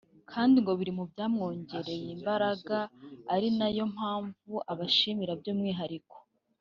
kandi ngo biri mu byamwongereye imbaraga ari nayo mpamvu abashimira by’umwihariko